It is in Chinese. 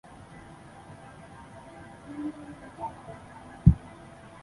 清松江府华亭县人。